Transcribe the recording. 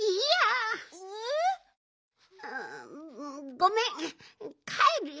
ごめんかえるよ。